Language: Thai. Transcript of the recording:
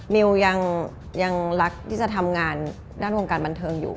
มิวยังรักที่จะทำงานด้านวงการบันเทิงอยู่